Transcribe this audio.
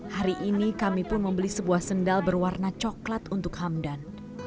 hari ini kami pun membeli sebuah sendal berwarna coklat untuk hamdan